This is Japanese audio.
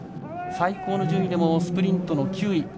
最高の順位でもスプリントの９位。